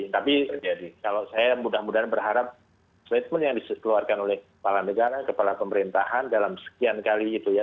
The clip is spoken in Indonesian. tapi jadi kalau saya mudah mudahan berharap statement yang dikeluarkan oleh kepala negara kepala pemerintahan dalam sekian kali itu ya